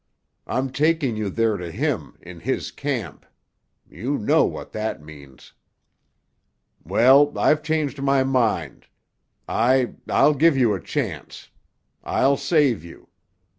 I'm taking you there to him—in his camp. You know what that means. "Well, I've changed my mind. I—I'll give you a chance. I'll save you.